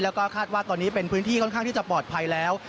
แล้วก็คาดว่าตอนนี้เป็นพื้นที่ค่อนข้างที่จะปลอดภัยแล้ว